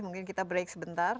mungkin kita break sebentar